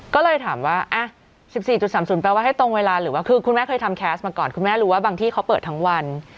ก็เลยถามว่า๑๔๓๐แปลว่าให้ตรงเวลาหรือว่าคือคุณแม่เคยทำแคสต์มาก่อนคุณแม่รู้ว่าบางที่เขาเปิดทั้งวัน